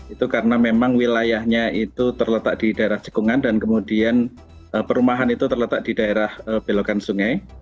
itu karena memang wilayahnya itu terletak di daerah cekungan dan kemudian perumahan itu terletak di daerah belokan sungai